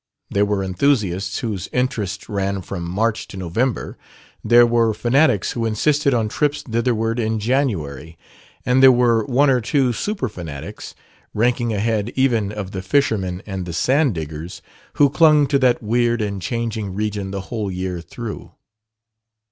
There were enthusiasts whose interest ran from March to November. There were fanatics who insisted on trips thitherward in January. And there were one or two super fanatics ranking ahead even of the fishermen and the sand diggers who clung to that weird and changing region the whole year through.